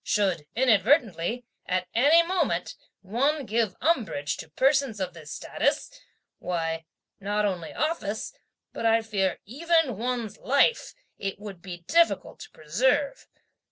Should inadvertently, at any moment, one give umbrage to persons of this status, why, not only office, but I fear even one's life, it would be difficult to preserve.